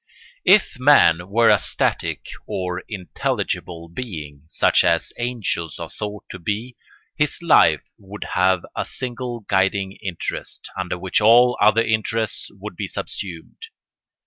] If man were a static or intelligible being, such as angels are thought to be, his life would have a single guiding interest, under which all other interests would be subsumed.